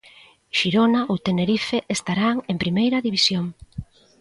Xirona ou Tenerife estarán en Primeira División.